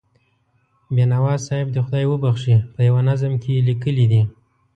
بینوا صاحب دې خدای وبښي، په یوه نظم کې یې لیکلي دي.